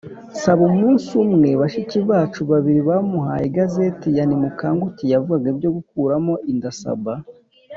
Saba Umunsi umwe bashiki bacu babiri bamuhaye igazeti ya Nimukanguke yavugaga ibyo gukuramo inda Saba